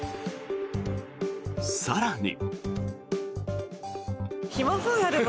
更に。